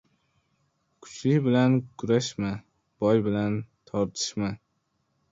• Kuchli bilan kurashma, boy bilan tortishma.